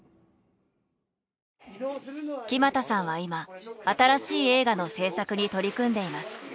木全さんは今新しい映画の製作に取り組んでいます。